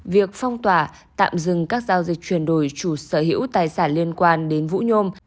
việc phong tỏa tạm dừng các giao dịch chuyển đổi chủ sở hữu tài sản liên quan đến vũ nhôm